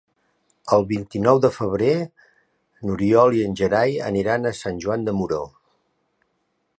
El vint-i-nou de febrer n'Oriol i en Gerai iran a Sant Joan de Moró.